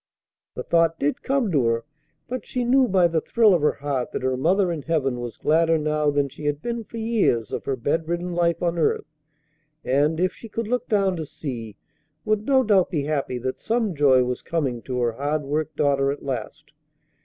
The thought did come to her. But she knew by the thrill of her heart that her mother in heaven was gladder now than she had been for years of her bedridden life on earth, and, if she could look down to see, would no doubt be happy that some joy was coming to her hard worked daughter at last.